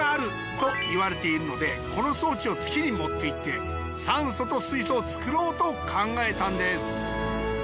といわれているのでこの装置を月に持っていって酸素と水素を作ろうと考えたんです